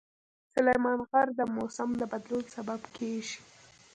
سلیمان غر د موسم د بدلون سبب کېږي.